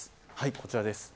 こちらです。